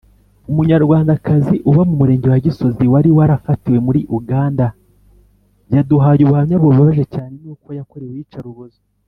umunyarwandakazi uba mu Murenge wa Gisozi wari warafatiwe muri Uganda yaduhaye ubuhamya bubabaje cyane nuko yakorewe iyicarubozo.